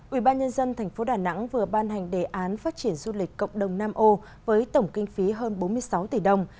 ubnd tp đà nẵng vừa ban hành đề án phát triển du lịch cộng đồng nam ô với tổng kinh phí hơn bốn mươi sáu tỷ đồng